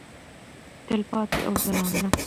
تلپاتې او ځلانده.